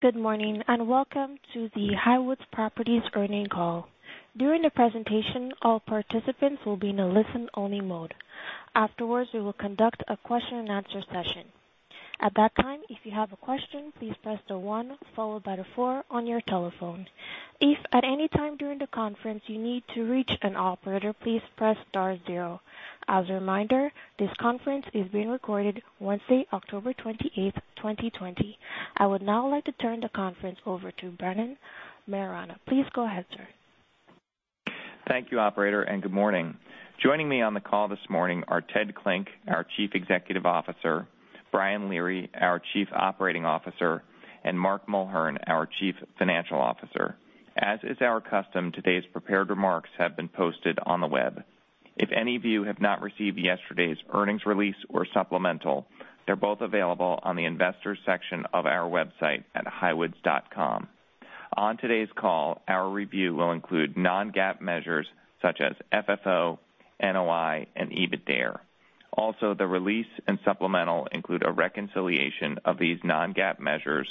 Good morning, welcome to the Highwoods Properties earnings call. During the presentation, all participants will be in a listen-only mode. Afterwards, we will conduct a question and answer session. At that time, if you have question, please press the one followed by the four on your telephone. If at any time during the conference you need to reach an operator, please press star zero. As a reminder, this conference is being recorded Wednesday, October 28th, 2020. I would now like to turn the conference over to Brendan Maiorana. Please go ahead, sir. Thank you, operator. Good morning. Joining me on the call this morning are Ted Klinck, our Chief Executive Officer, Brian Leary, our Chief Operating Officer, and Mark Mulhern, our Chief Financial Officer. As is our custom, today's prepared remarks have been posted on the web. If any of you have not received yesterday's earnings release or supplemental, they're both available on the investors section of our website at highwoods.com. On today's call, our review will include non-GAAP measures such as FFO, NOI, and EBITDA. Also, the release and supplemental include a reconciliation of these non-GAAP measures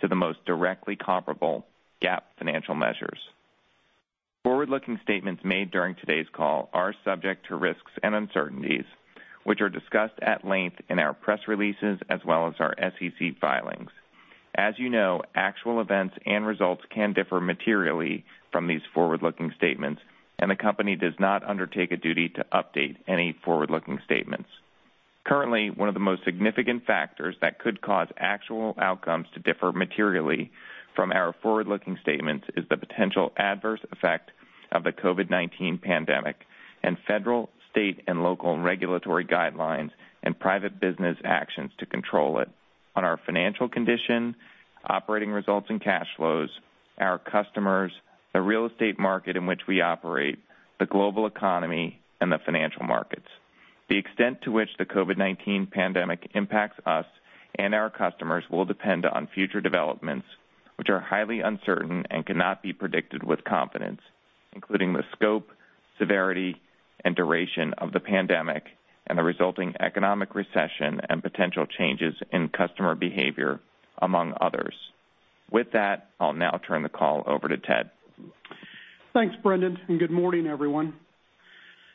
to the most directly comparable GAAP financial measures. Forward-looking statements made during today's call are subject to risks and uncertainties, which are discussed at length in our press releases as well as our SEC filings. As you know, actual events and results can differ materially from these forward-looking statements, and the company does not undertake a duty to update any forward-looking statements. Currently, one of the most significant factors that could cause actual outcomes to differ materially from our forward-looking statements is the potential adverse effect of the COVID-19 pandemic and federal, state, and local regulatory guidelines and private business actions to control it on our financial condition, operating results and cash flows, our customers, the real estate market in which we operate, the global economy, and the financial markets. The extent to which the COVID-19 pandemic impacts us and our customers will depend on future developments, which are highly uncertain and cannot be predicted with confidence, including the scope, severity, and duration of the pandemic and the resulting economic recession and potential changes in customer behavior, among others. With that, I'll now turn the call over to Ted. Thanks, Brendan, and good morning, everyone.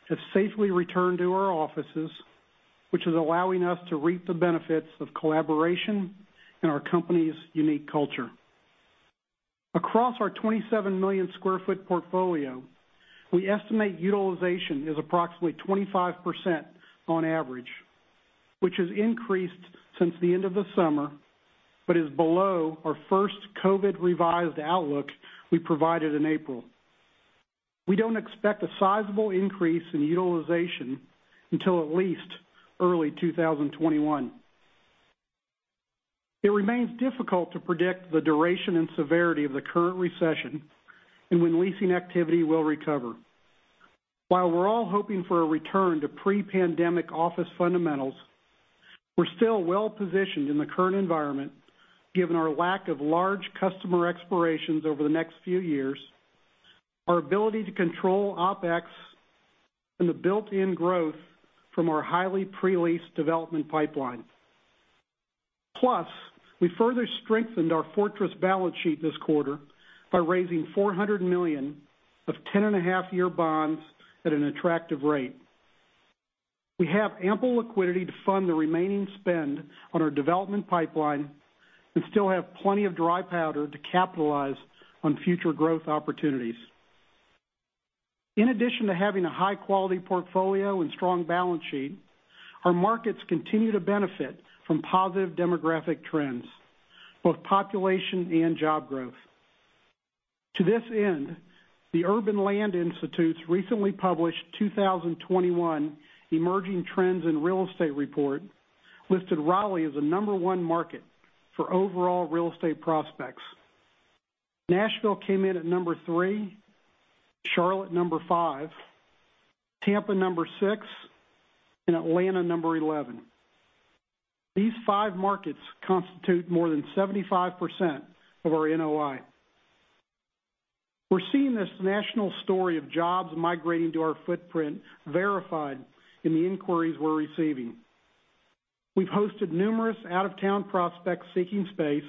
We have safely returned to our offices, which is allowing us to reap the benefits of collaboration and our company's unique culture. Across our 27 million square foot portfolio, we estimate utilization is approximately 25% on average, which has increased since the end of the summer but is below our first COVID revised outlook we provided in April. We don't expect a sizable increase in utilization until at least early 2021. It remains difficult to predict the duration and severity of the current recession and when leasing activity will recover. While we're all hoping for a return to pre-pandemic office fundamentals, we're still well-positioned in the current environment, given our lack of large customer expirations over the next few years, our ability to control OpEx, and the built-in growth from our highly pre-leased development pipeline. We further strengthened our fortress balance sheet this quarter by raising $400 million of 10.5-year bonds at an attractive rate. We have ample liquidity to fund the remaining spend on our development pipeline and still have plenty of dry powder to capitalize on future growth opportunities. In addition to having a high-quality portfolio and strong balance sheet, our markets continue to benefit from positive demographic trends, both population and job growth. To this end, the Urban Land Institute's recently published Emerging Trends in Real Estate 2021 report listed Raleigh as the number one market for overall real estate prospects. Nashville came in at number three, Charlotte number five, Tampa number six, and Atlanta number 11. These five markets constitute more than 75% of our NOI. We're seeing this national story of jobs migrating to our footprint verified in the inquiries we're receiving. We've hosted numerous out-of-town prospects seeking space,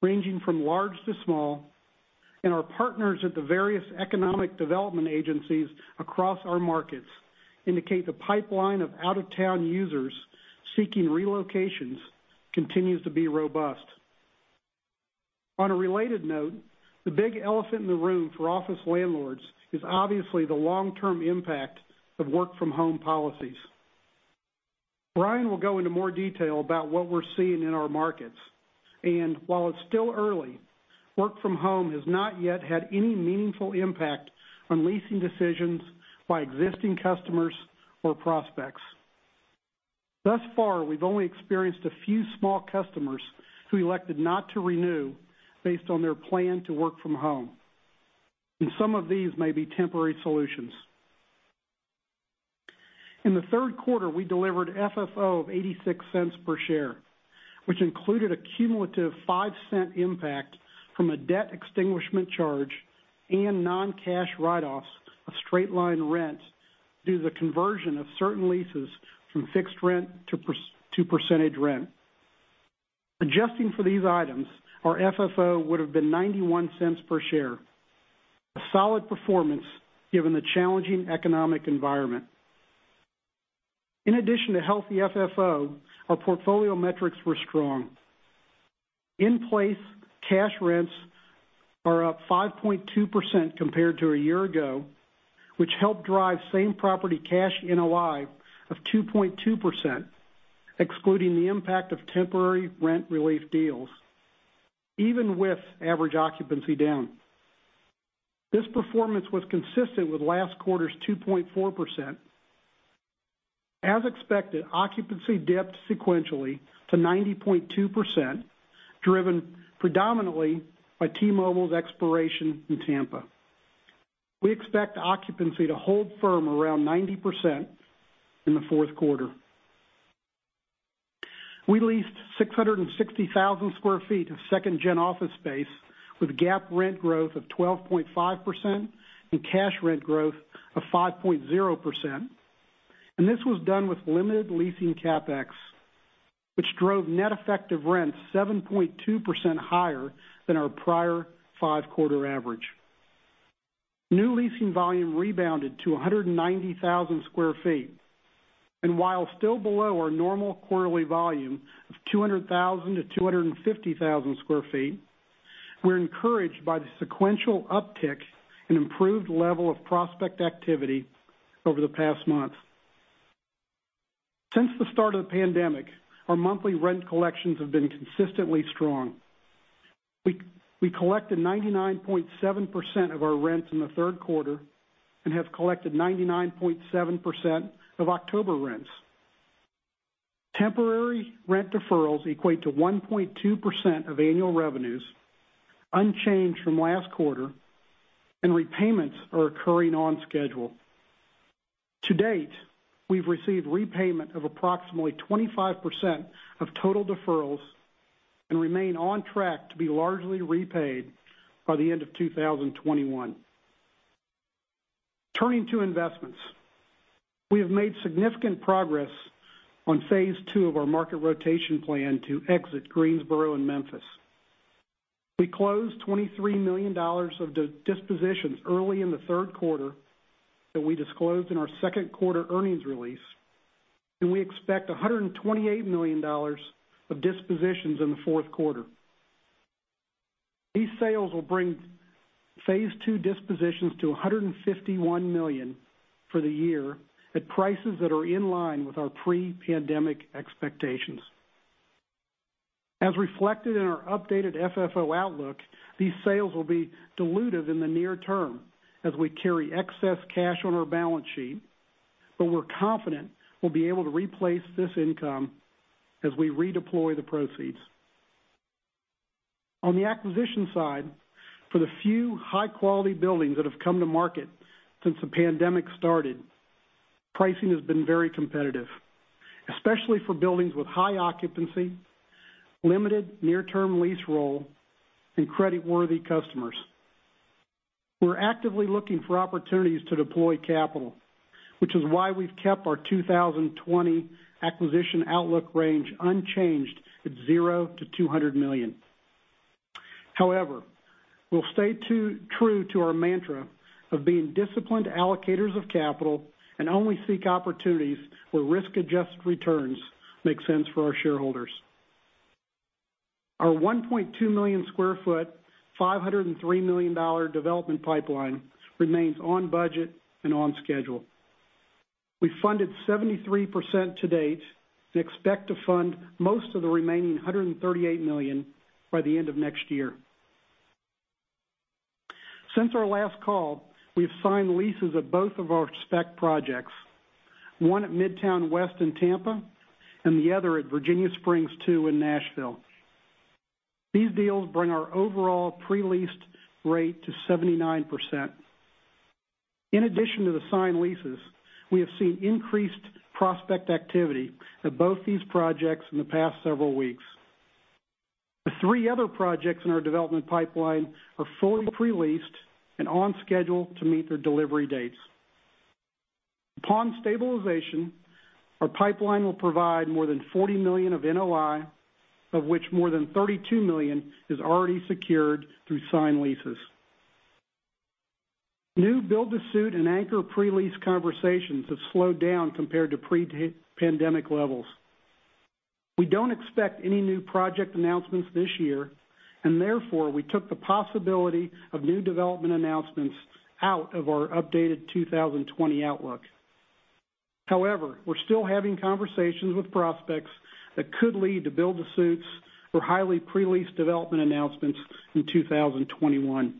ranging from large to small, and our partners at the various economic development agencies across our markets indicate the pipeline of out-of-town users seeking relocations continues to be robust. On a related note, the big elephant in the room for office landlords is obviously the long-term impact of work-from-home policies. Brian will go into more detail about what we're seeing in our markets. While it's still early, work from home has not yet had any meaningful impact on leasing decisions by existing customers or prospects. Thus far, we've only experienced a few small customers who elected not to renew based on their plan to work from home. Some of these may be temporary solutions. In the third quarter, we delivered FFO of $0.86 per share, which included a cumulative $0.05 impact from a debt extinguishment charge and non-cash write-offs of straight-line rent due to the conversion of certain leases from fixed rent to percentage rent. Adjusting for these items, our FFO would have been $0.91 per share. A solid performance given the challenging economic environment. In addition to healthy FFO, our portfolio metrics were strong. In-place cash rents are up 5.2% compared to a year ago, which helped drive same property cash NOI of 2.2%, excluding the impact of temporary rent relief deals, even with average occupancy down. This performance was consistent with last quarter's 2.4%. As expected, occupancy dipped sequentially to 90.2%, driven predominantly by T-Mobile's expiration in Tampa. We expect occupancy to hold firm around 90% in the fourth quarter. We leased 660,000 sq ft of second-gen office space with GAAP rent growth of 12.5% and cash rent growth of 5.0%. This was done with limited leasing CapEx, which drove net effective rents 7.2% higher than our prior five-quarter average. New leasing volume rebounded to 190,000 sq ft, and while still below our normal quarterly volume of 200,000 sq ft-250,000 sq ft, we're encouraged by the sequential uptick in improved level of prospect activity over the past month. Since the start of the pandemic, our monthly rent collections have been consistently strong. We collected 99.7% of our rents in the third quarter and have collected 99.7% of October rents. Temporary rent deferrals equate to 1.2% of annual revenues, unchanged from last quarter, and repayments are occurring on schedule. To date, we've received repayment of approximately 25% of total deferrals and remain on track to be largely repaid by the end of 2021. Turning to investments. We have made significant progress on phase two of our market rotation plan to exit Greensboro and Memphis. We closed $23 million of dispositions early in the third quarter that we disclosed in our second quarter earnings release, and we expect $128 million of dispositions in the fourth quarter. These sales will bring phase two dispositions to $151 million for the year at prices that are in line with our pre-pandemic expectations. As reflected in our updated FFO outlook, these sales will be dilutive in the near term as we carry excess cash on our balance sheet, but we're confident we'll be able to replace this income as we redeploy the proceeds. On the acquisition side, for the few high-quality buildings that have come to market since the pandemic started, pricing has been very competitive, especially for buildings with high occupancy, limited near-term lease roll, and credit-worthy customers. We're actively looking for opportunities to deploy capital, which is why we've kept our 2020 acquisition outlook range unchanged at $0-$200 million. We'll stay true to our mantra of being disciplined allocators of capital and only seek opportunities where risk-adjusted returns make sense for our shareholders. Our 1.2 million square feet, $503 million development pipeline remains on budget and on schedule. We funded 73% to date and expect to fund most of the remaining $138 million by the end of next year. Since our last call, we've signed leases at both of our spec projects, one at Midtown West in Tampa and the other at Virginia Springs II in Nashville. These deals bring our overall pre-leased rate to 79%. In addition to the signed leases, we have seen increased prospect activity at both these projects in the past several weeks. The three other projects in our development pipeline are fully pre-leased and on schedule to meet their delivery dates. Upon stabilization, our pipeline will provide more than $40 million of NOI, of which more than $32 million is already secured through signed leases. New build-to-suit and anchor pre-lease conversations have slowed down compared to pre-pandemic levels. We don't expect any new project announcements this year, and therefore, we took the possibility of new development announcements out of our updated 2020 outlook. However, we're still having conversations with prospects that could lead to build-to-suits or highly pre-leased development announcements in 2021.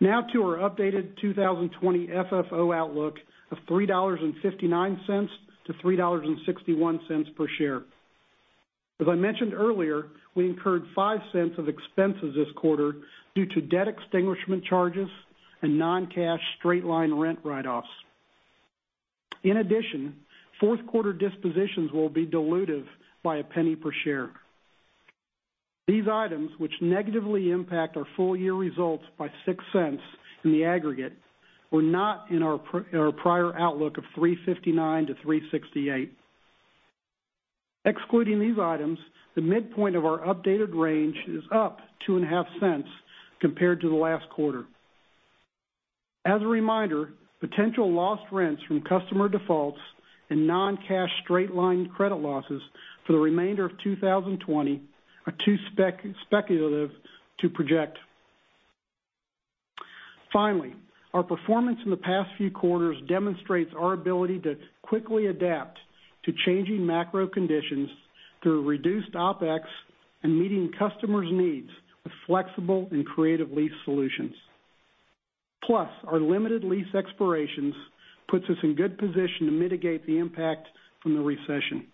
Now to our updated 2020 FFO outlook of $3.59 per share to $3.61 per share. As I mentioned earlier, we incurred $0.05 of expenses this quarter due to debt extinguishment charges and non-cash straight-line rent write-offs. In addition, fourth quarter dispositions will be dilutive by $0.01 per share. These items, which negatively impact our full-year results by $0.06 in the aggregate, were not in our prior outlook of $3.59-$3.68. Excluding these items, the midpoint of our updated range is up $0.025 compared to the last quarter. As a reminder, potential lost rents from customer defaults and non-cash straight-line credit losses for the remainder of 2020 are too speculative to project. Finally, our performance in the past few quarters demonstrates our ability to quickly adapt to changing macro conditions through reduced OpEx and meeting customers' needs with flexible and creative lease solutions. Our limited lease expirations puts us in good position to mitigate the impact from the recession.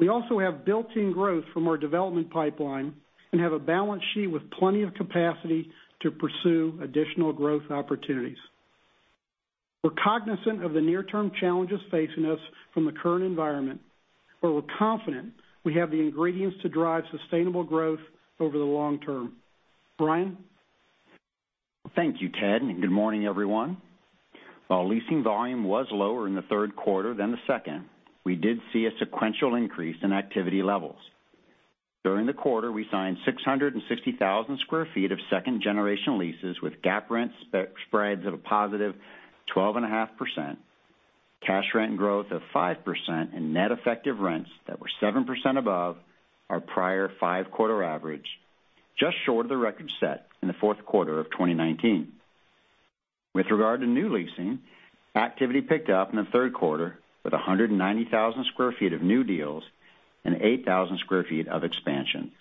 We also have built-in growth from our development pipeline and have a balance sheet with plenty of capacity to pursue additional growth opportunities. We're cognizant of the near-term challenges facing us from the current environment, but we're confident we have the ingredients to drive sustainable growth over the long term. Brian? Thank you, Ted, and good morning, everyone. While leasing volume was lower in the third quarter than the second, we did see a sequential increase in activity levels. During the quarter, we signed 660,000 sq ft of second-generation leases with GAAP rent spreads of a positive 12.5%, cash rent growth of 5%, and net effective rents that were 7% above our prior five-quarter average, just short of the record set in the fourth quarter of 2019. With regard to new leasing, activity picked up in the third quarter with 190,000 sq ft of new deals and 8,000 sq ft of expansion.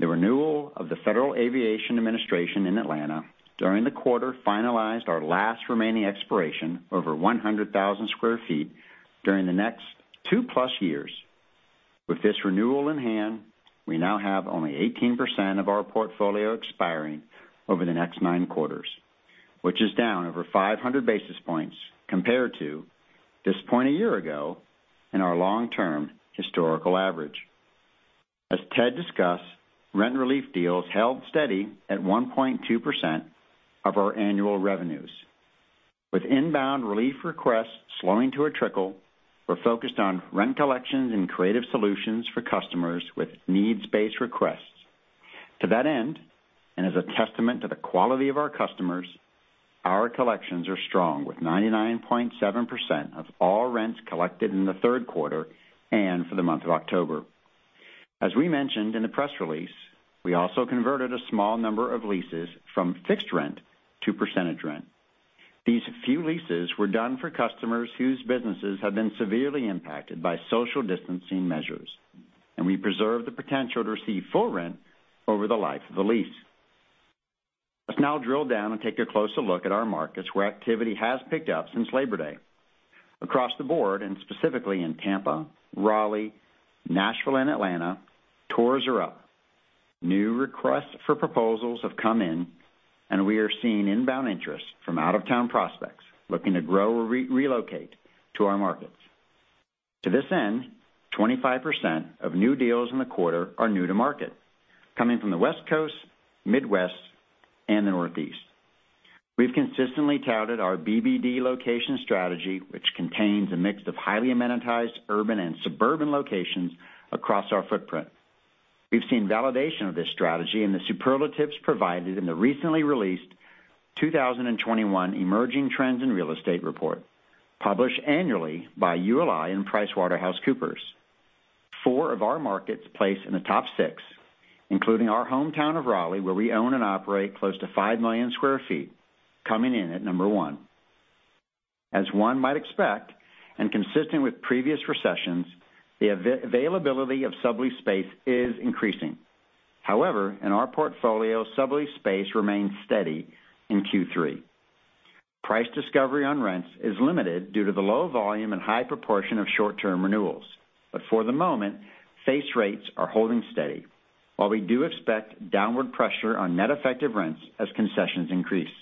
The renewal of the Federal Aviation Administration in Atlanta during the quarter finalized our last remaining expiration over 100,000 sq ft during the next two-plus years. With this renewal in hand, we now have only 18% of our portfolio expiring over the next nine quarters, which is down over 500 basis points compared to this point a year ago in our long-term historical average. As Ted discussed, rent relief deals held steady at 1.2% of our annual revenues. With inbound relief requests slowing to a trickle, we're focused on rent collections and creative solutions for customers with needs-based requests. To that end, and as a testament to the quality of our customers, our collections are strong, with 99.7% of all rents collected in the third quarter and for the month of October. As we mentioned in the press release, we also converted a small number of leases from fixed rent to percentage rent. These few leases were done for customers whose businesses have been severely impacted by social distancing measures, and we preserve the potential to receive full rent over the life of the lease. Let's now drill down and take a closer look at our markets where activity has picked up since Labor Day. Across the board, and specifically in Tampa, Raleigh, Nashville, and Atlanta, tours are up. New requests for proposals have come in, and we are seeing inbound interest from out-of-town prospects looking to grow or relocate to our markets. To this end, 25% of new deals in the quarter are new to market, coming from the West Coast, Midwest, and the Northeast. We've consistently touted our BBD location strategy, which contains a mix of highly amenitized urban and suburban locations across our footprint. We've seen validation of this strategy in the superlatives provided in the recently released Emerging Trends in Real Estate 2021 report, published annually by ULI and PricewaterhouseCoopers. Four of our markets place in the top six, including our hometown of Raleigh, where we own and operate close to 5 million square feet, coming in at number one. As one might expect, and consistent with previous recessions, the availability of sublease space is increasing. However, in our portfolio, sublease space remains steady in Q3. Price discovery on rents is limited due to the low volume and high proportion of short-term renewals. For the moment, face rates are holding steady, while we do expect downward pressure on net effective rents as concessions increase.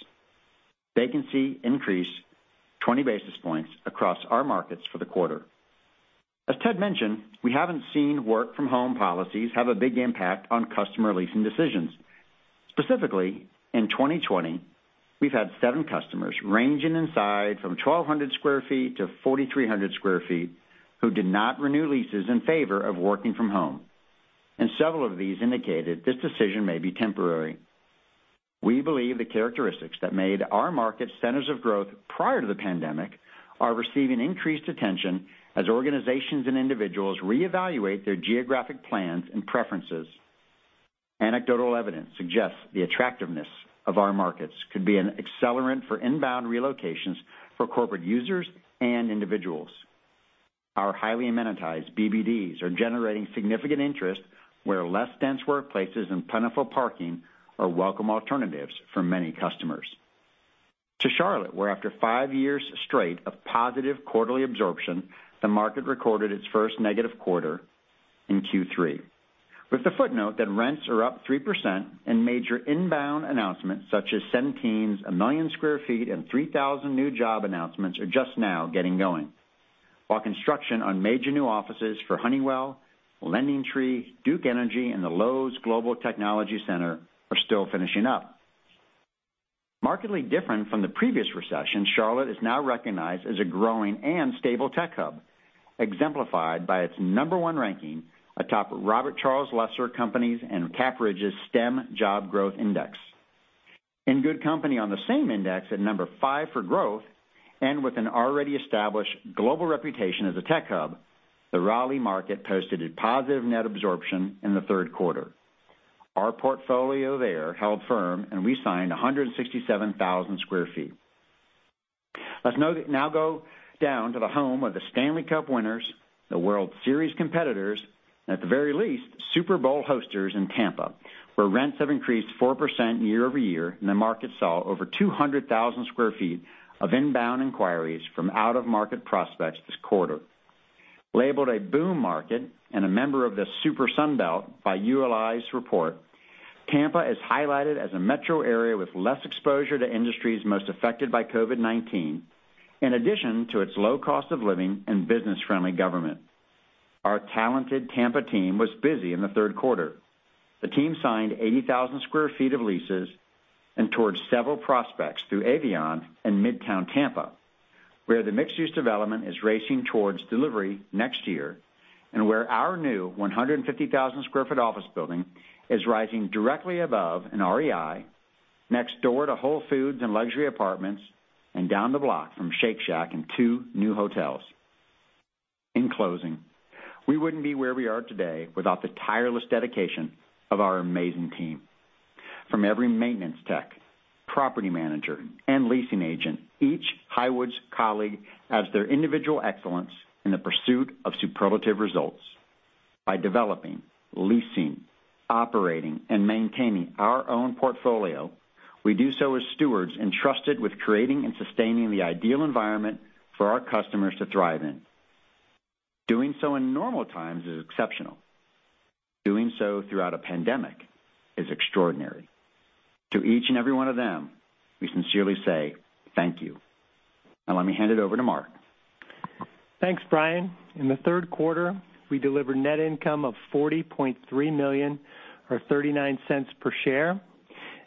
Vacancy increased 20 basis points across our markets for the quarter. As Ted mentioned, we haven't seen work-from-home policies have a big impact on customer leasing decisions. Specifically, in 2020, we've had seven customers ranging in size from 1,200 sq ft-4,300 sq ft who did not renew leases in favor of working from home. Several of these indicated this decision may be temporary. We believe the characteristics that made our market centers of growth prior to the pandemic are receiving increased attention as organizations and individuals reevaluate their geographic plans and preferences. Anecdotal evidence suggests the attractiveness of our markets could be an accelerant for inbound relocations for corporate users and individuals. Our highly amenitized BBDs are generating significant interest where less dense workplaces and plentiful parking are welcome alternatives for many customers. To Charlotte, where after five years straight of positive quarterly absorption, the market recorded its first negative quarter in Q3. With the footnote that rents are up 3% and major inbound announcements such as Centene's 1 million square feet and 3,000 new job announcements are just now getting going. While construction on major new offices for Honeywell, LendingTree, Duke Energy, and the Lowe's Global Technology Center are still finishing up. Markedly different from the previous recession, Charlotte is now recognized as a growing and stable tech hub, exemplified by its number one ranking atop Robert Charles Lesser and Company and CapRidge STEM Job Growth Index. In good company on the same index at number five for growth, and with an already established global reputation as a tech hub, the Raleigh market posted a positive net absorption in the third quarter. Our portfolio there held firm, and we signed 167,000 sq ft. Let's now go down to the home of the Stanley Cup winners, the World Series competitors, and at the very least, Super Bowl hosters in Tampa, where rents have increased 4% year-over-year, and the market saw over 200,000 sq ft of inbound inquiries from out-of-market prospects this quarter. Labeled a boom market and a member of the Super Sun Belt by ULI's report, Tampa is highlighted as a metro area with less exposure to industries most affected by COVID-19, in addition to its low cost of living and business-friendly government. Our talented Tampa team was busy in the third quarter. The team signed 80,000 sq ft of leases and toured several prospects through Avion and Midtown Tampa, where the mixed-use development is racing towards delivery next year, and where our new 150,000 sq ft office building is rising directly above an REI, next door to Whole Foods and luxury apartments, and down the block from Shake Shack and two new hotels. In closing, we wouldn't be where we are today without the tireless dedication of our amazing team. From every maintenance tech, property manager, and leasing agent, each Highwoods colleague adds their individual excellence in the pursuit of superlative results. By developing, leasing, operating, and maintaining our own portfolio, we do so as stewards entrusted with creating and sustaining the ideal environment for our customers to thrive in. Doing so in normal times is exceptional. Doing so throughout a pandemic is extraordinary. To each and every one of them, we sincerely say thank you. Now let me hand it over to Mark. Thanks, Brian. In the third quarter, we delivered net income of $40.3 million or $0.39 per share,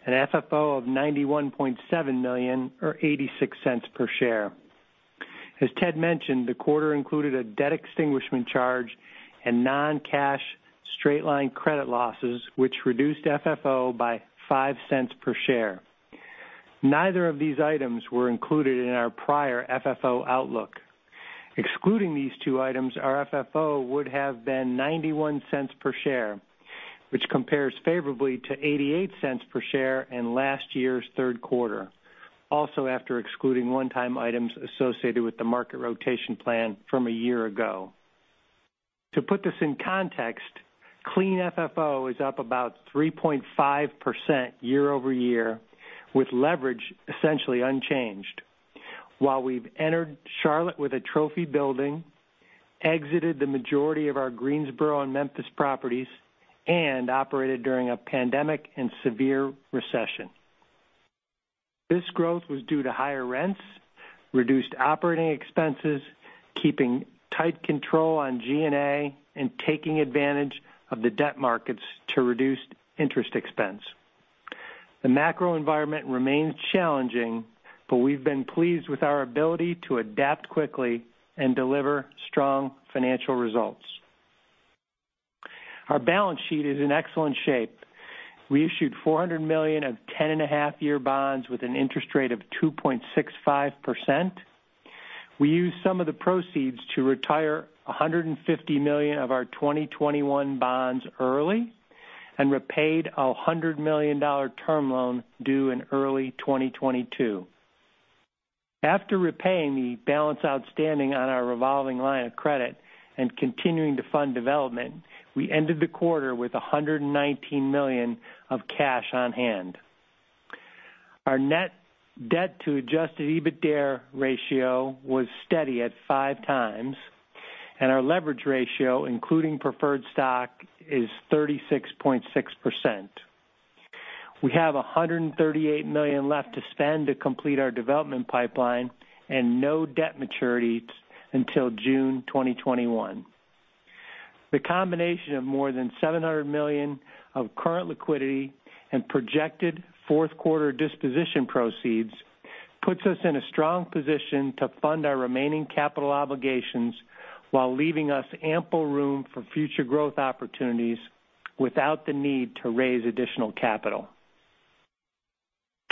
an FFO of $91.7 million or $0.86 per share. As Ted mentioned, the quarter included a debt extinguishment charge and non-cash straight-line credit losses, which reduced FFO by $0.05 per share. Neither of these items were included in our prior FFO outlook. Excluding these two items, our FFO would have been $0.91 per share, which compares favorably to $0.88 per share in last year's third quarter, also after excluding one-time items associated with the market rotation plan from a year ago. To put this in context, clean FFO is up about 3.5% year-over-year, with leverage essentially unchanged. While we've entered Charlotte with a trophy building, exited the majority of our Greensboro and Memphis properties, and operated during a pandemic and severe recession. This growth was due to higher rents, reduced operating expenses, keeping tight control on G&A, and taking advantage of the debt markets to reduce interest expense. We've been pleased with our ability to adapt quickly and deliver strong financial results. Our balance sheet is in excellent shape. We issued $400 million of 10.5 year bonds with an interest rate of 2.65%. We used some of the proceeds to retire $150 million of our 2021 bonds early and repaid a $100 million term loan due in early 2022. After repaying the balance outstanding on our revolving line of credit and continuing to fund development, we ended the quarter with $119 million of cash on hand. Our net debt to adjusted EBITDA ratio was steady at 5x. Our leverage ratio, including preferred stock, is 36.6%. We have $138 million left to spend to complete our development pipeline. No debt maturities until June 2021. The combination of more than $700 million of current liquidity and projected fourth quarter disposition proceeds puts us in a strong position to fund our remaining capital obligations while leaving us ample room for future growth opportunities without the need to raise additional capital.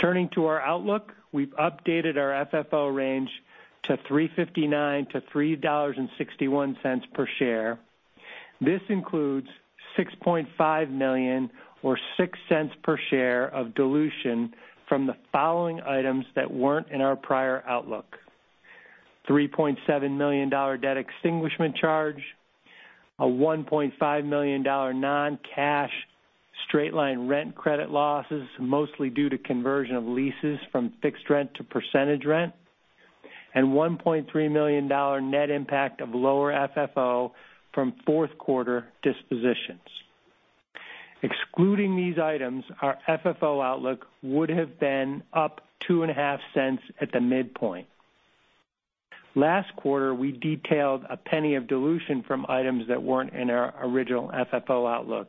Turning to our outlook, we've updated our FFO range to $3.59-$3.61 per share. This includes $6.5 million or $0.06 per share of dilution from the following items that weren't in our prior outlook. $3.7 million debt extinguishment charge, a $1.5 million non-cash straight-line rent credit losses, mostly due to conversion of leases from fixed rent to percentage rent, and $1.3 million net impact of lower FFO from fourth quarter dispositions. Excluding these items, our FFO outlook would have been up $0.025 at the midpoint. Last quarter, we detailed $0.01 of dilution from items that weren't in our original FFO outlook.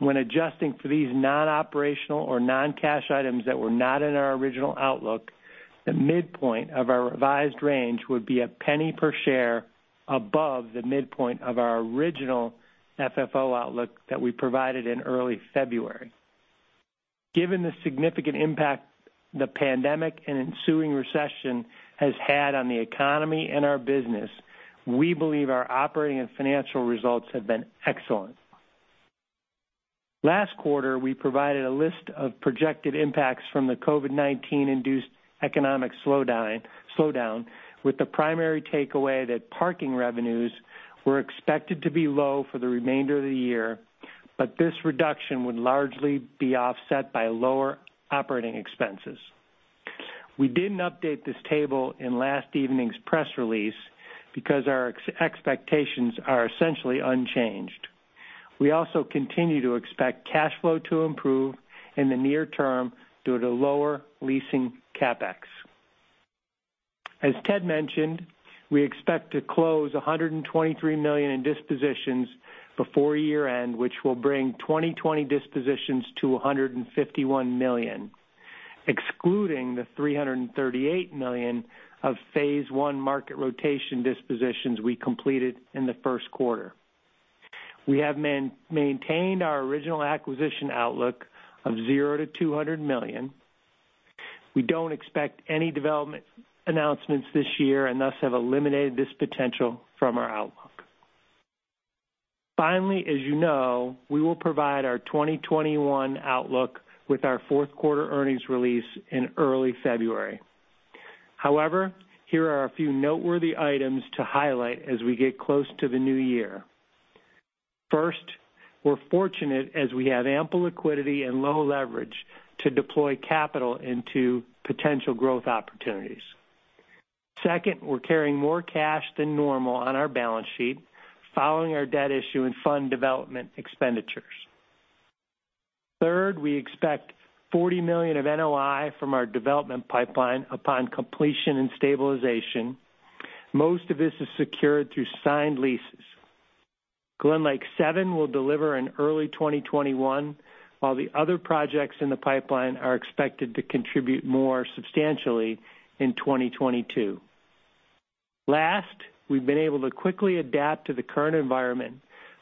When adjusting for these non-operational or non-cash items that were not in our original outlook, the midpoint of our revised range would be $0.01 per share above the midpoint of our original FFO outlook that we provided in early February. Given the significant impact the pandemic and ensuing recession has had on the economy and our business, we believe our operating and financial results have been excellent. Last quarter, we provided a list of projected impacts from the COVID-19 induced economic slowdown, with the primary takeaway that parking revenues were expected to be low for the remainder of the year, but this reduction would largely be offset by lower operating expenses. We didn't update this table in last evening's press release because our expectations are essentially unchanged. We also continue to expect cash flow to improve in the near term due to lower leasing CapEx. As Ted mentioned, we expect to close $123 million in dispositions before year-end, which will bring 2020 dispositions to $151 million, excluding the $338 million of phase one market rotation dispositions we completed in the first quarter. We have maintained our original acquisition outlook of $0-$200 million. We don't expect any development announcements this year and thus have eliminated this potential from our outlook. Finally, as you know, we will provide our 2021 outlook with our fourth quarter earnings release in early February. However, here are a few noteworthy items to highlight as we get close to the new year. First, we're fortunate as we have ample liquidity and low leverage to deploy capital into potential growth opportunities. Second, we're carrying more cash than normal on our balance sheet following our debt issue and fund development expenditures. Third, we expect $40 million of NOI from our development pipeline upon completion and stabilization. Most of this is secured through signed leases. GlenLake Seven will deliver in early 2021, while the other projects in the pipeline are expected to contribute more substantially in 2022. Last, we've been able to quickly adapt to the current environment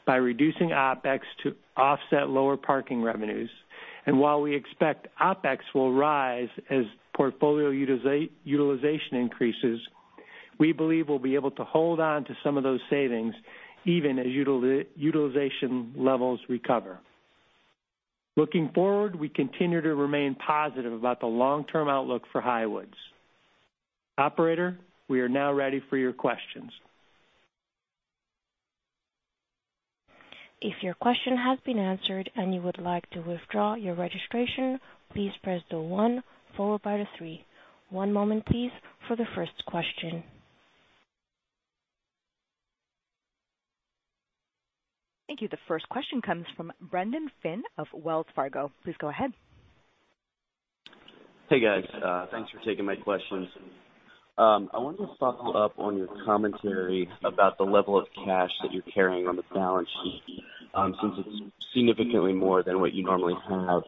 by reducing OpEx to offset lower parking revenues. While we expect OpEx will rise as portfolio utilization increases, we believe we'll be able to hold on to some of those savings even as utilization levels recover. Looking forward, we continue to remain positive about the long-term outlook for Highwoods. Operator, we are now ready for your questions. If your question has been answered and you would like to withdraw your registration, please press the one followed by the three. One moment, please, for the first question. Thank you. The first question comes from Brendan Finn of Wells Fargo. Please go ahead. Hey, guys. Thanks for taking my questions. I wanted to follow up on your commentary about the level of cash that you're carrying on the balance sheet, since it's significantly more than what you normally have.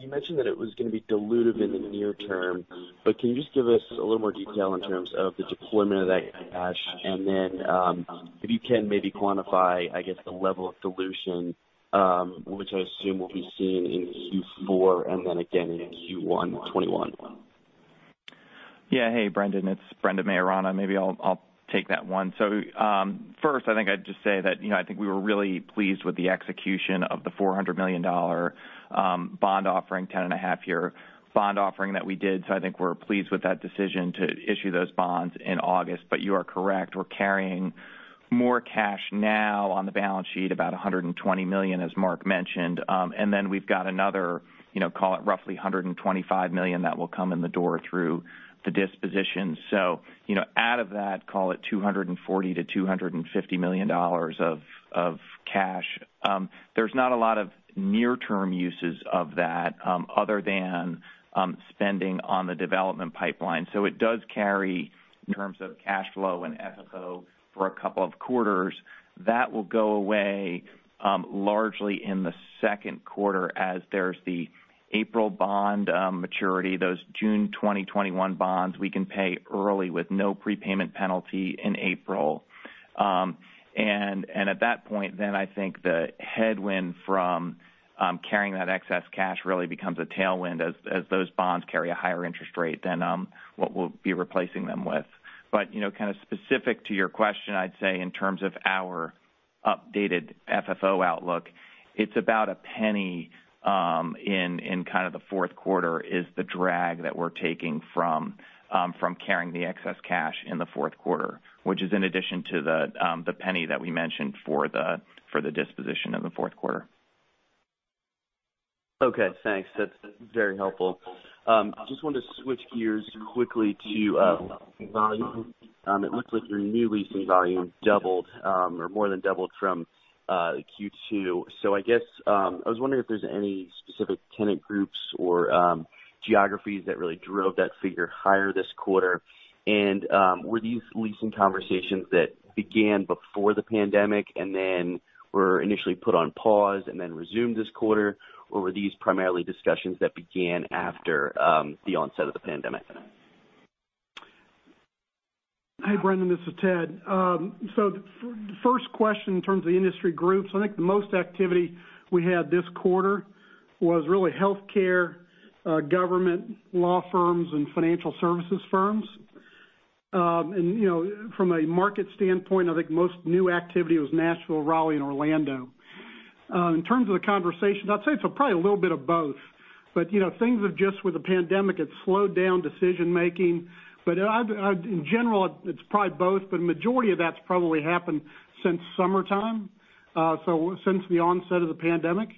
You mentioned that it was going to be dilutive in the near term, but can you just give us a little more detail in terms of the deployment of that cash? If you can maybe quantify, I guess, the level of dilution, which I assume will be seen in Q4 and then again in Q1 2021. Yeah. Hey, Brendan. It's Brendan Maiorana. Maybe I'll take that one. First, I think I'd just say that I think we were really pleased with the execution of the $400 million bond offering, 10.5 year bond offering that we did. I think we're pleased with that decision to issue those bonds in August. You are correct, we're carrying more cash now on the balance sheet, about $120 million, as Mark mentioned. We've got another, call it roughly $125 million that will come in the door through the disposition. Out of that, call it $240 million-$250 million of cash. There's not a lot of near-term uses of that other than spending on the development pipeline. It does carry in terms of cash flow and FFO for a couple of quarters. That will go away largely in the second quarter as there's the April bond maturity. Those June 2021 bonds we can pay early with no prepayment penalty in April. At that point, I think the headwind from carrying that excess cash really becomes a tailwind as those bonds carry a higher interest rate than what we'll be replacing them with. Kind of specific to your question, I'd say in terms of our updated FFO outlook, it's about $0.01 in kind of the fourth quarter is the drag that we're taking from carrying the excess cash in the fourth quarter, which is in addition to the $0.01 that we mentioned for the disposition in the fourth quarter. Okay, thanks. That's very helpful. I just wanted to switch gears quickly to volume. It looks like your new leasing volume doubled or more than doubled from Q2. I guess, I was wondering if there's any specific tenant groups or geographies that really drove that figure higher this quarter. Were these leasing conversations that began before the pandemic and then were initially put on pause and then resumed this quarter? Were these primarily discussions that began after the onset of the pandemic? Hey, Brendan, this is Ted. The first question in terms of the industry groups, I think the most activity we had this quarter was really healthcare, government, law firms, and financial services firms. From a market standpoint, I think most new activity was Nashville, Raleigh, and Orlando. In terms of the conversation, I'd say it's probably a little bit of both. Things have just, with the pandemic, it slowed down decision-making. In general, it's probably both, but majority of that's probably happened since summertime. Since the onset of the pandemic.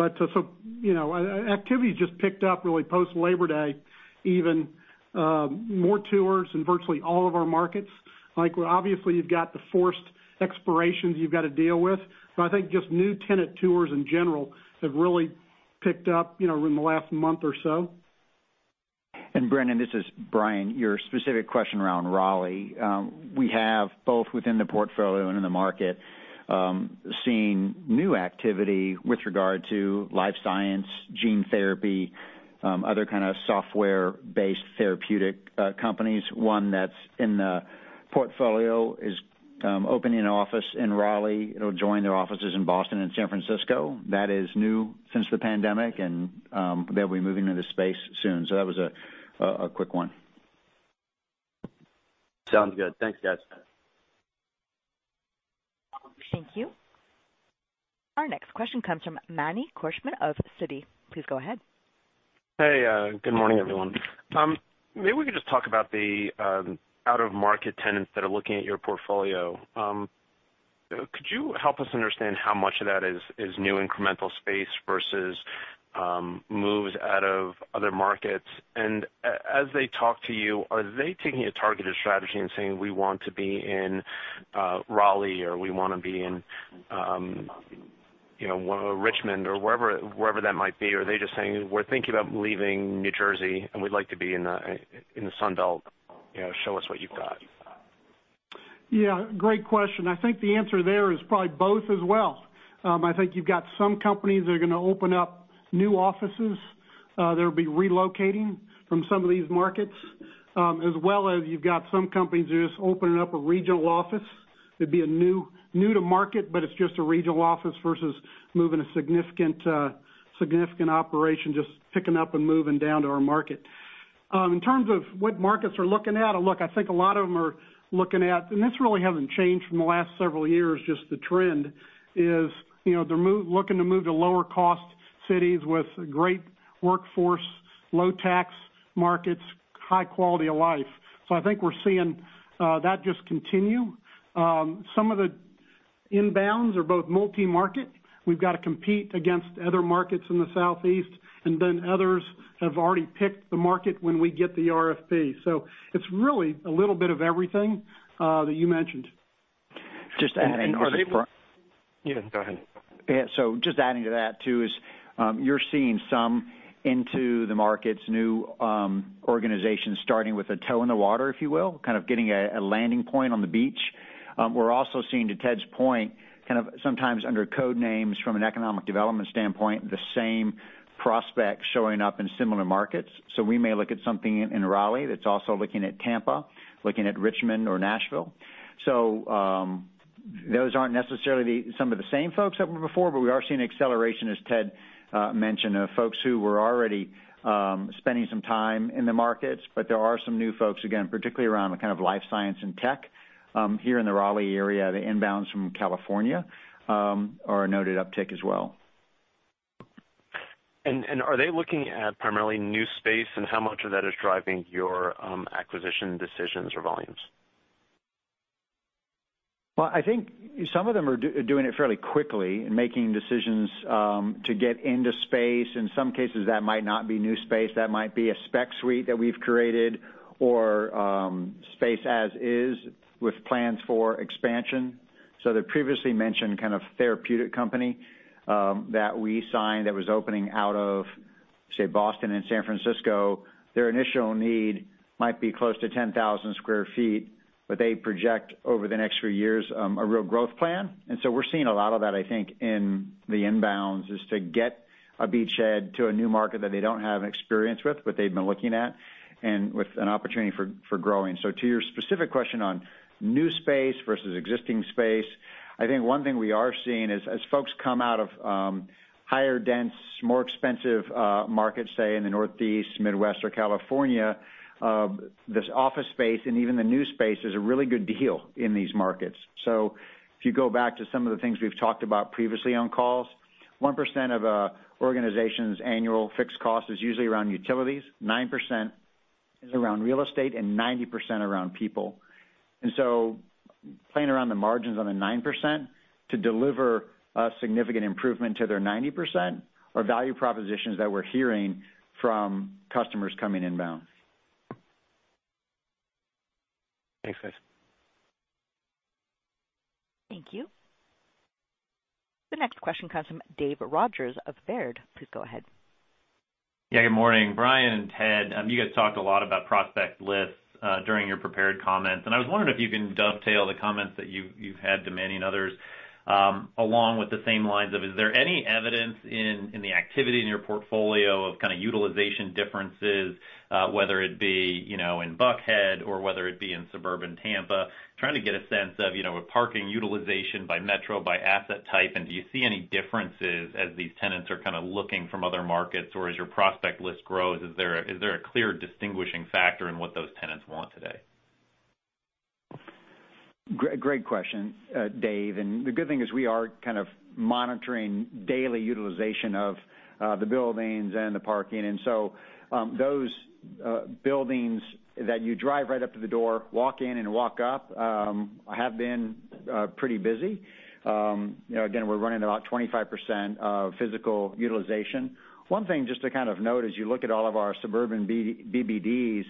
Activity just picked up really post Labor Day, even more tours in virtually all of our markets. Obviously, you've got the forced expirations you've got to deal with. I think just new tenant tours in general have really picked up in the last month or so. Brendan, this is Brian. Your specific question around Raleigh. We have, both within the portfolio and in the market, seen new activity with regard to life science, gene therapy, other kind of software-based therapeutic companies. One that's in the portfolio is opening an office in Raleigh. It'll join their offices in Boston and San Francisco. That is new since the pandemic, and they'll be moving into the space soon. That was a quick one. Sounds good. Thanks, guys. Thank you. Our next question comes from Manny Korchman of Citi. Please go ahead. Hey, good morning, everyone. We can just talk about the out-of-market tenants that are looking at your portfolio. Could you help us understand how much of that is new incremental space versus moves out of other markets? As they talk to you, are they taking a targeted strategy and saying, "We want to be in Raleigh," or, "We want to be in Richmond," or wherever that might be? Are they just saying, "We're thinking about leaving New Jersey and we'd like to be in the Sun Belt. Show us what you've got. Yeah, great question. I think the answer there is probably both as well. I think you've got some companies that are going to open up new offices. They'll be relocating from some of these markets. As well as you've got some companies who are just opening up a regional office. It'd be new to market, but it's just a regional office versus moving a significant operation, just picking up and moving down to our market. In terms of what markets are looking at, look, I think a lot of them are looking at, and this really hasn't changed from the last several years, just the trend is they're looking to move to lower cost cities with great workforce, low tax markets, high quality of life. I think we're seeing that just continue. Some of the inbounds are both multi-market. We've got to compete against other markets in the Southeast, and then others have already picked the market when we get the RFP. It's really a little bit of everything that you mentioned. Just to add- Yeah, go ahead. Just adding to that, too, you're seeing some into the markets, new organizations starting with a toe in the water, if you will, kind of getting a landing point on the beach. We're also seeing, to Ted's point, kind of sometimes under code names from an economic development standpoint, the same prospects showing up in similar markets. We may look at something in Raleigh that's also looking at Tampa, looking at Richmond or Nashville. Those aren't necessarily some of the same folks that were before, but we are seeing acceleration, as Ted mentioned, of folks who were already spending some time in the markets. There are some new folks, again, particularly around the kind of life science and tech here in the Raleigh area, the inbounds from California are a noted uptick as well. Are they looking at primarily new space and how much of that is driving your acquisition decisions or volumes? I think some of them are doing it fairly quickly and making decisions to get into space. In some cases, that might not be new space. That might be a spec suite that we've created or space as is with plans for expansion. The previously mentioned kind of therapeutic company that we signed that was opening out of, say, Boston and San Francisco, their initial need might be close to 10,000 sq ft, but they project over the next few years a real growth plan. We're seeing a lot of that, I think, in the inbounds, is to get a beachhead to a new market that they don't have experience with, but they've been looking at, and with an opportunity for growing. To your specific question on new space versus existing space, I think one thing we are seeing is as folks come out of higher dense, more expensive markets, say in the Northeast, Midwest, or California, this office space and even the new space is a really good deal in these markets. If you go back to some of the things we've talked about previously on calls, 1% of an organization's annual fixed cost is usually around utilities, 9% is around real estate and 90% around people. Playing around the margins on the 9% to deliver a significant improvement to their 90% are value propositions that we're hearing from customers coming inbound. Thanks, guys. Thank you. The next question comes from Dave Rodgers of Baird. Please go ahead. Good morning, Brian, Ted. You guys talked a lot about prospect lists during your prepared comments, and I was wondering if you can dovetail the comments that you've had to many others, along with the same lines of, is there any evidence in the activity in your portfolio of kind of utilization differences, whether it be in Buckhead or whether it be in suburban Tampa? Trying to get a sense of a parking utilization by metro, by asset type, and do you see any differences as these tenants are kind of looking from other markets or as your prospect list grows? Is there a clear distinguishing factor in what those tenants want today? Great question, Dave. The good thing is we are kind of monitoring daily utilization of the buildings and the parking. Those buildings that you drive right up to the door, walk in and walk up, have been pretty busy. Again, we're running about 25% of physical utilization. One thing just to kind of note as you look at all of our suburban BBDs,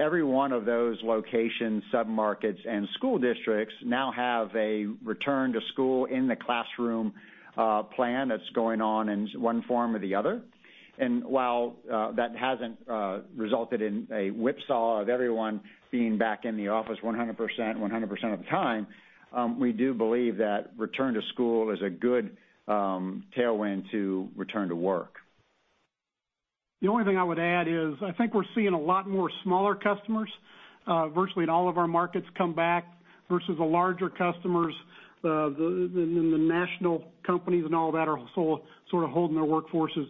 every one of those locations, submarkets, and school districts now have a return to school in the classroom plan that's going on in one form or the other. While that hasn't resulted in a whipsaw of everyone being back in the office, 100% of the time, we do believe that return to school is a good tailwind to return to work. The only thing I would add is I think we're seeing a lot more smaller customers, virtually in all of our markets come back versus the larger customers. The national companies and all that are sort of holding their workforces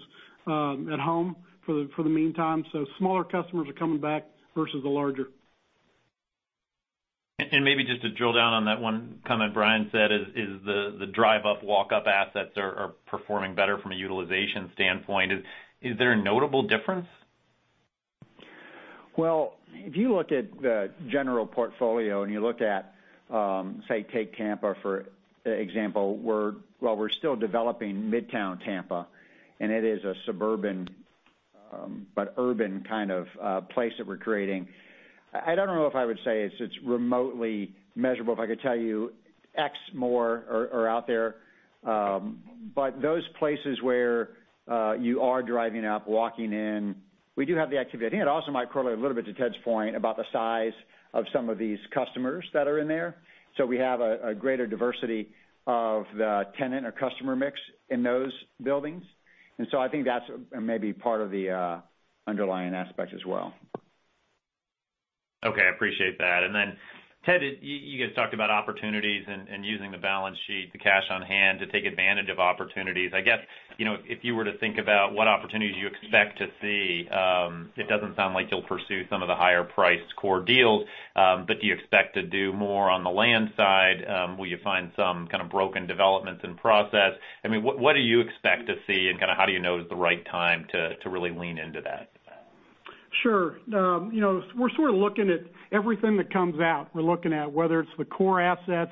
at home for the meantime. Smaller customers are coming back versus the larger. Maybe just to drill down on that one comment Brian said is the drive-up, walk-up assets are performing better from a utilization standpoint. Is there a notable difference? If you look at the general portfolio and you look at, say, take Tampa, for example, while we're still developing Midtown Tampa, and it is a suburban but urban kind of place that we're creating. I don't know if I would say it's remotely measurable if I could tell you X more are out there. Those places where you are driving up, walking in, we do have the activity. I think it also might correlate a little bit to Ted's point about the size of some of these customers that are in there. So we have a greater diversity of the tenant or customer mix in those buildings. I think that's maybe part of the underlying aspect as well. Okay, appreciate that. Then Ted, you guys talked about opportunities and using the balance sheet, the cash on hand to take advantage of opportunities. I guess, if you were to think about what opportunities you expect to see, it doesn't sound like you'll pursue some of the higher priced core deals. Do you expect to do more on the land side? Will you find some kind of broken developments in process? What do you expect to see and kind of how do you know it's the right time to really lean into that? Sure. We're sort of looking at everything that comes out. We're looking at whether it's the core assets,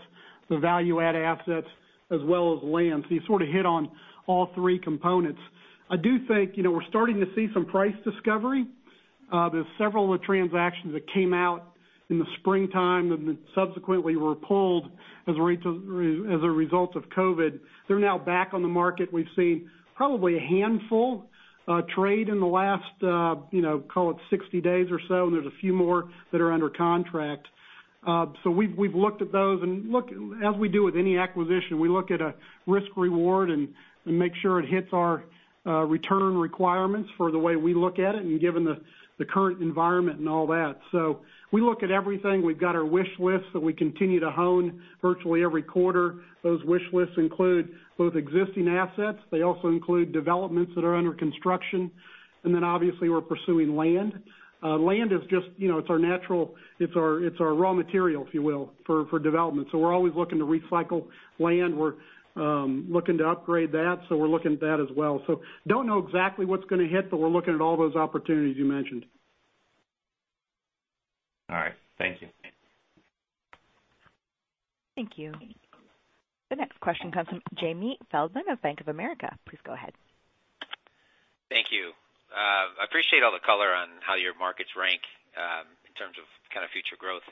the value-add assets, as well as land. You sort of hit on all three components. I do think we're starting to see some price discovery. There's several transactions that came out in the springtime and then subsequently were pulled as a result of COVID. They're now back on the market. We've seen probably a handful trade in the last, call it 60 days or so, and there's a few more that are under contract. We've looked at those, and as we do with any acquisition, we look at a risk-reward and make sure it hits our return requirements for the way we look at it and given the current environment and all that. We look at everything. We've got our wish lists that we continue to hone virtually every quarter. Those wish lists include both existing assets. They also include developments that are under construction. Obviously, we're pursuing land. Land is just our natural raw material, if you will, for development. We're always looking to recycle land. We're looking to upgrade that, so we're looking at that as well. Don't know exactly what's going to hit, but we're looking at all those opportunities you mentioned. All right. Thank you. Thank you. The next question comes from Jamie Feldman of Bank of America. Please go ahead. Thank you. I appreciate all the color on how your markets rank in terms of kind of future growth.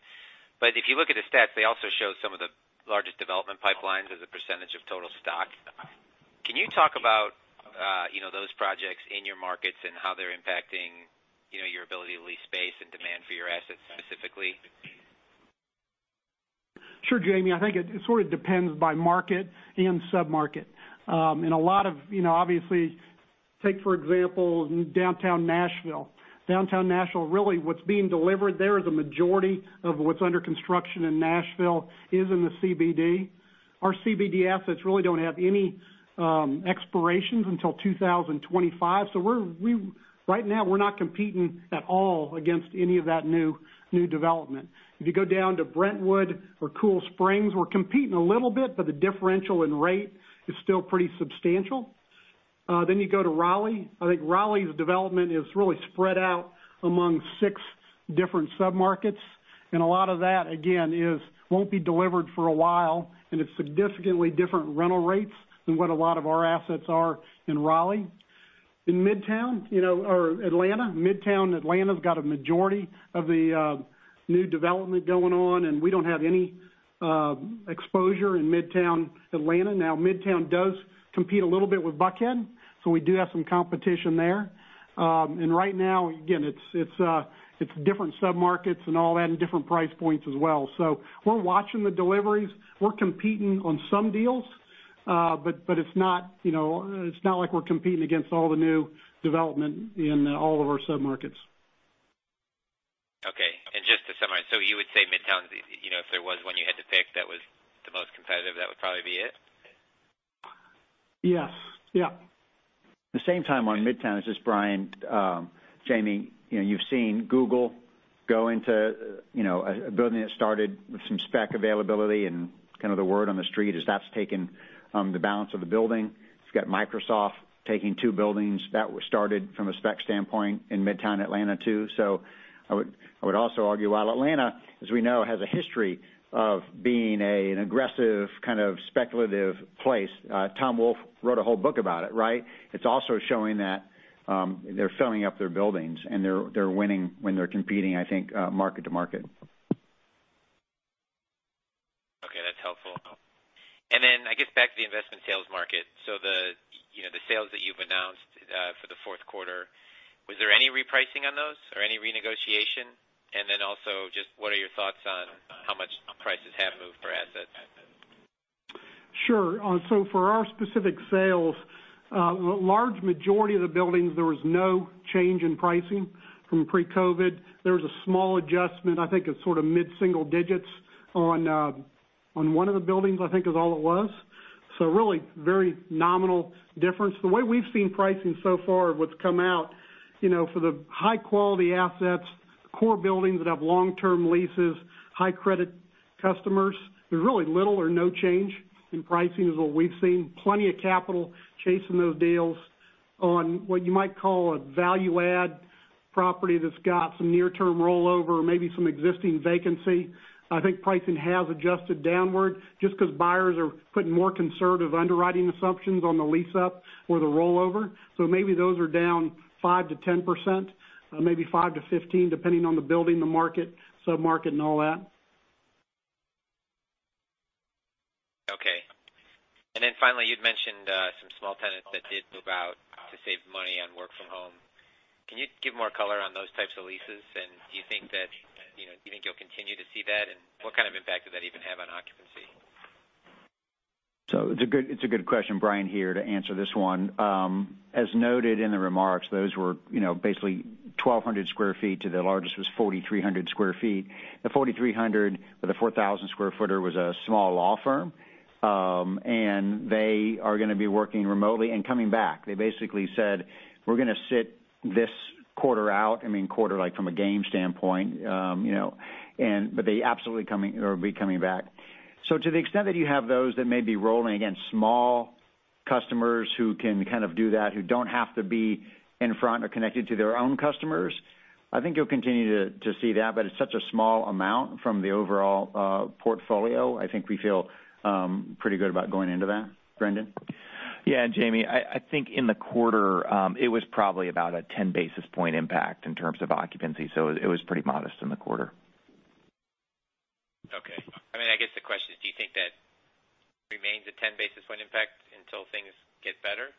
If you look at the stats, they also show some of the largest development pipelines as a percentage of total stock. Can you talk about those projects in your markets and how they're impacting your ability to lease space and demand for your assets specifically? Sure, Jamie. I think it sort of depends by market and submarket. A lot of, obviously, take, for example, downtown Nashville. Downtown Nashville, really what's being delivered there is a majority of what's under construction in Nashville is in the CBD. Our CBD assets really don't have any expirations until 2025. Right now, we're not competing at all against any of that new development. If you go down to Brentwood or Cool Springs, we're competing a little bit, but the differential in rate is still pretty substantial. You go to Raleigh. I think Raleigh's development is really spread out among six different submarkets. A lot of that, again, won't be delivered for a while, and it's significantly different rental rates than what a lot of our assets are in Raleigh. In Midtown Atlanta, Midtown Atlanta's got a majority of the new development going on, and we don't have any exposure in Midtown Atlanta. Midtown does compete a little bit with Buckhead, so we do have some competition there. Right now, again, it's different sub-markets and all that, and different price points as well. We're watching the deliveries. We're competing on some deals, but it's not like we're competing against all the new development in all of our sub-markets. Okay. Just to summarize, you would say Midtown, if there was one you had to pick that was the most competitive, that would probably be it? Yes. At the same time, on Midtown, this is Brian. Jamie, you've seen Google go into a building that started with some spec availability, and kind of the word on the street is that's taken the balance of the building. It's got Microsoft taking two buildings. That was started from a spec standpoint in Midtown Atlanta, too. I would also argue, while Atlanta, as we know, has a history of being an aggressive kind of speculative place. Tom Wolfe wrote a whole book about it, right. It's also showing that they're filling up their buildings, and they're winning when they're competing, I think, market to market. Okay, that's helpful. I guess back to the investment sales market. The sales that you've announced for the fourth quarter, was there any repricing on those or any renegotiation? Also, just what are your thoughts on how much prices have moved for assets? Sure. For our specific sales, a large majority of the buildings, there was no change in pricing from pre-COVID. There was a small adjustment, I think it's sort of mid-single digits on one of the buildings, I think is all it was. Really very nominal difference. The way we've seen pricing so far of what's come out. For the high-quality assets, core buildings that have long-term leases, high-credit customers, there's really little or no change in pricing is what we've seen. Plenty of capital chasing those deals on what you might call a value-add property that's got some near-term rollover or maybe some existing vacancy. I think pricing has adjusted downward just because buyers are putting more conservative underwriting assumptions on the lease-up or the rollover. Maybe those are down 5%-10%, maybe 5%-15%, depending on the building, the market, sub-market, and all that. Okay. Finally, you'd mentioned some small tenants that did move out to save money on work from home. Can you give more color on those types of leases? Do you think you'll continue to see that? What kind of impact does that even have on occupancy? It's a good question. Brian here to answer this one. As noted in the remarks, those were basically 1,200 sq ft to the largest was 4,300 sq ft. The 4,300 sq ft or the 4,000 sq ft was a small law firm. They are going to be working remotely and coming back. They basically said, "We're going to sit this quarter out." Quarter, like from a game standpoint. They absolutely will be coming back. To the extent that you have those that may be rolling, again, small customers who can kind of do that, who don't have to be in front or connected to their own customers. I think you'll continue to see that, but it's such a small amount from the overall portfolio. I think we feel pretty good about going into that. Brendan? Yeah. Jamie, I think in the quarter, it was probably about a 10-basis point impact in terms of occupancy. It was pretty modest in the quarter. Okay. I guess the question is, do you think that remains a 10-basis point impact until things get better?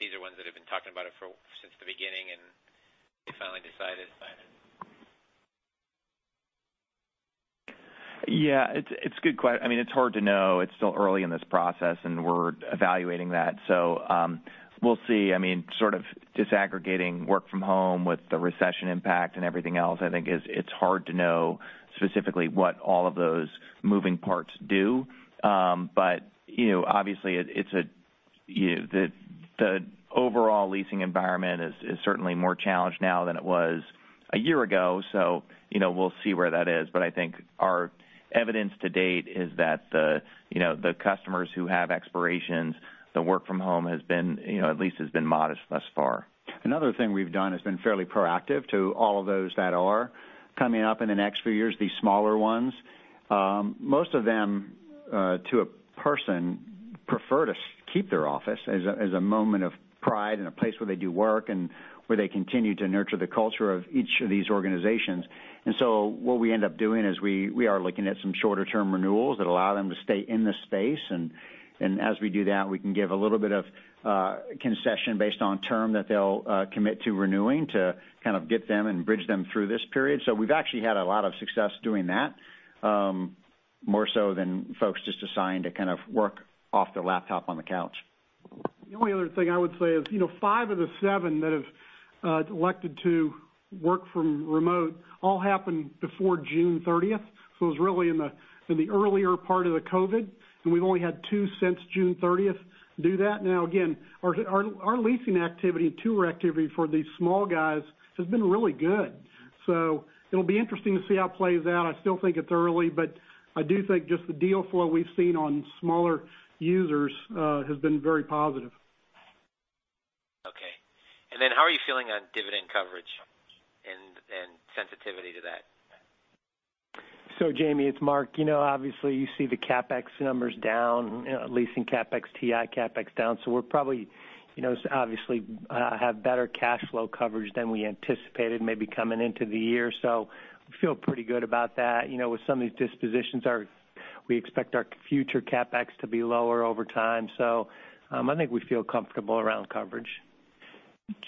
These are ones that have been talking about it since the beginning and they finally decided. It's a good question. It's hard to know. It's still early in this process and we're evaluating that, so we'll see. Sort of disaggregating work from home with the recession impact and everything else, I think it's hard to know specifically what all of those moving parts do. Obviously, the overall leasing environment is certainly more challenged now than it was a year ago, so we'll see where that is. I think our evidence to date is that the customers who have expirations, the work from home at least has been modest thus far. Another thing we've done has been fairly proactive to all of those that are coming up in the next few years, these smaller ones. Most of them, to a person, prefer to keep their office as a moment of pride and a place where they do work and where they continue to nurture the culture of each of these organizations. What we end up doing is we are looking at some shorter-term renewals that allow them to stay in the space. As we do that, we can give a little bit of concession based on term that they'll commit to renewing to kind of get them and bridge them through this period. We've actually had a lot of success doing that. More so than folks just deciding to kind of work off their laptop on the couch. The only other thing I would say is five of the seven that have elected to work from remote all happened before June 30th. It was really in the earlier part of the COVID, and we've only had two since June 30th do that. Now, again, our leasing activity and tour activity for these small guys has been really good. It'll be interesting to see how it plays out. I still think it's early. I do think just the deal flow we've seen on smaller users has been very positive. Okay. How are you feeling on dividend coverage and sensitivity to that? Jamie, it's Mark. Obviously, you see the CapEx numbers down, leasing CapEx, TI CapEx down. We'll probably obviously have better cash flow coverage than we anticipated maybe coming into the year. We feel pretty good about that. With some of these dispositions, we expect our future CapEx to be lower over time. I think we feel comfortable around coverage.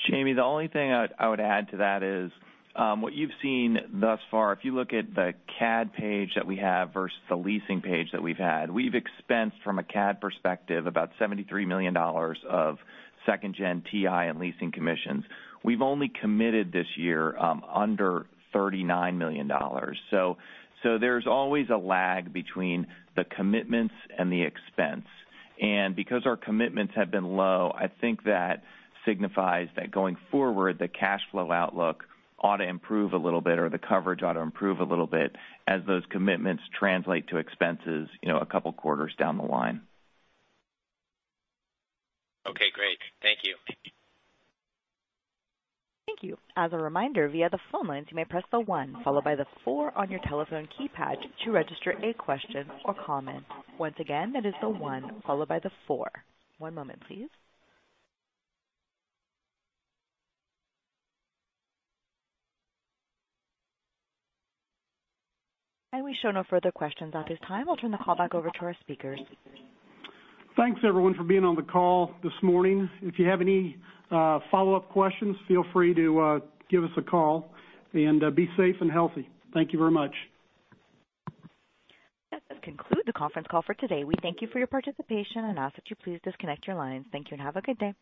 Jamie, the only thing I would add to that is, what you've seen thus far, if you look at the CAD page that we have versus the leasing page that we've had, we've expensed from a CAD perspective about $73 million of second gen TI and leasing commissions. We've only committed this year under $39 million. There's always a lag between the commitments and the expense. Because our commitments have been low, I think that signifies that going forward, the cash flow outlook ought to improve a little bit or the coverage ought to improve a little bit as those commitments translate to expenses a couple of quarters down the line. Okay, great. Thank you. Thank you. As a reminder, via the phone lines, you may press the one followed by the four on your telephone keypad to register a question or comment. Once again, that is the one followed by the four. One moment please. We show no further questions at this time. I'll turn the call back over to our speakers. Thanks everyone for being on the call this morning. If you have any follow-up questions, feel free to give us a call, and be safe and healthy. Thank you very much. That does conclude the conference call for today. We thank you for your participation and ask that you please disconnect your lines. Thank you and have a good day.